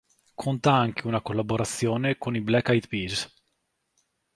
Conta anche una collaborazione con i Black Eyed Peas.